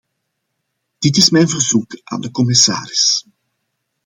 Dit is mijn verzoek aan de commissaris.